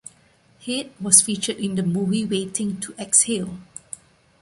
"Head" was featured in the movie "Waiting to Exhale".